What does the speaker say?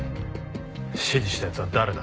指示した奴は誰だ？